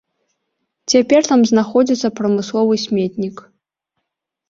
Цяпер там знаходзіцца прамысловы сметнік.